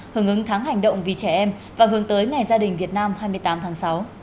hướng ứng tháng hành động vì trẻ em và hướng tới ngày gia đình việt nam hai mươi tám tháng sáu